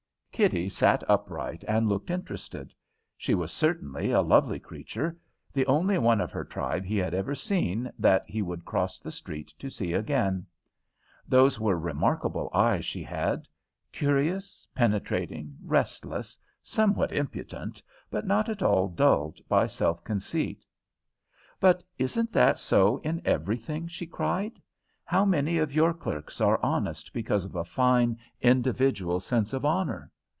Kitty sat upright and looked interested. She was certainly a lovely creature the only one of her tribe he had ever seen that he would cross the street to see again. Those were remarkable eyes she had curious, penetrating, restless, somewhat impudent, but not at all dulled by self conceit. "But isn't that so in everything?" she cried. "How many of your clerks are honest because of a fine, individual sense of honour?